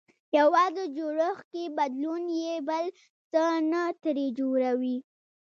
يوازې جوړښت کې بدلون يې بل څه نه ترې جوړوي.